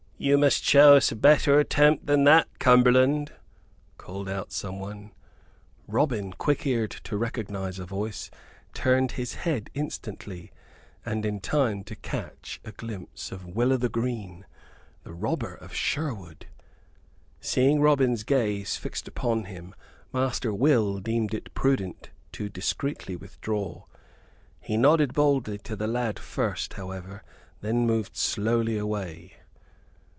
"You must show us a better attempt than that, Cumberland!" called out someone. Robin, quick eared to recognize a voice, turned his head instantly, and in time to catch a glimpse of Will o' th' Green, the robber of Sherwood! Seeing Robin's gaze fixed upon him, Master Will deemed it prudent to discreetly withdraw. He nodded boldly to the lad first, however; then moved slowly away.